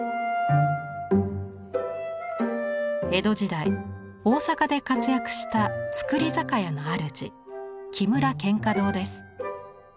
江戸時代大坂で活躍した造り酒屋のあるじ木村蒹葭堂です。